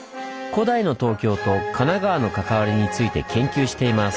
古代の東京と神奈川の関わりについて研究しています。